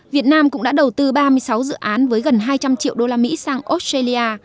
việt nam cũng đã đầu tư ba mươi sáu dự án với gần hai trăm linh triệu usd sang australia